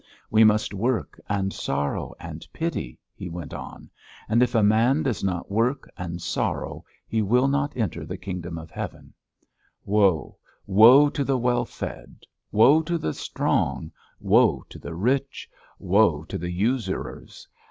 We must work and sorrow and pity," he went on. "And if a man does not work and sorrow he will not enter the kingdom of heaven. Woe, woe to the well fed, woe to the strong, woe to the rich, woe to the usurers!